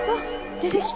出てきた！